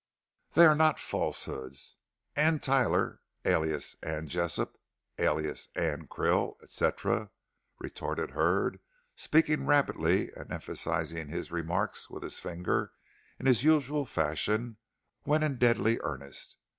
"They are not falsehoods, Anne Tyler, alias Anne Jessop, alias Anne Krill, etc.," retorted Hurd, speaking rapidly and emphasizing his remarks with his finger in his usual fashion when in deadly earnest.